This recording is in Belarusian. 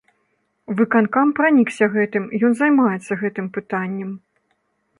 Выканкам пранікся гэтым, ён займаецца гэтым пытаннем.